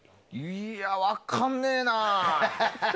いやあ分かんねえな。